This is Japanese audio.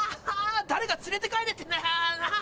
誰か連れて帰れってなぁ。